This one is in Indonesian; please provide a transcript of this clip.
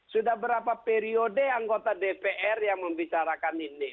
sudah berapa periode anggota dpr yang membicarakan ini